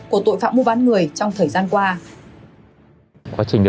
của tội phạm mua bán người trong thời gian qua